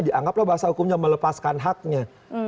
dianggaplah bahasa hukumnya melepaskan haknya